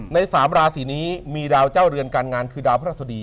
ใน๓ราศีนี้มีดาวเจ้าเรือนการงานคือดาวพระราชดี